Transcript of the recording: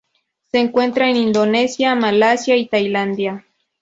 Se encuentra en Indonesia, Malasia, y Tailandia.